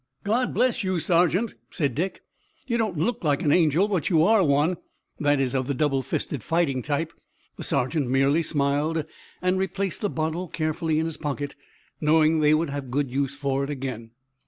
"God bless you, Sergeant," said Dick, "you don't look like an angel, but you are one that is, of the double fisted, fighting type." The sergeant merely smiled and replaced the bottle carefully in his pocket, knowing that they would have good use for it again.